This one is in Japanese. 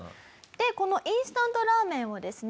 このインスタントラーメンをですね